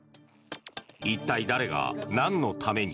一体誰が、なんのために。